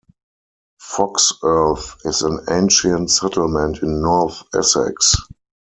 Foxearth is an ancient settlement in north Essex.